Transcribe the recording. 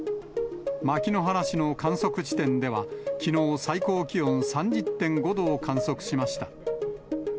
牧之原市の観測地点ではきのう、最高気温３０．５度を観測しました。